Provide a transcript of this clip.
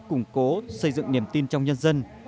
củng cố xây dựng niềm tin trong nhân dân